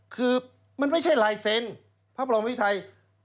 คือมันไม่ใช่ลายเซ็นต์พระบรมวิทัย